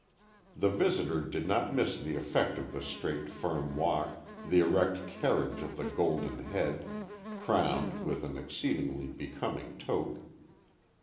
The visitor did not miss the effect of the straight firm walk, the erect carriage of the golden head, crowned with an exceedingly becoming toque.